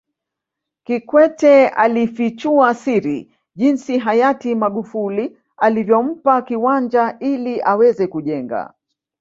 Kikwete alifichua siri jinsi Hayati Magufuli alivyompa kiwanja ili aweze kujenga